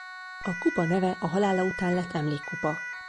A kupa neve a halála után lett emlékkupa.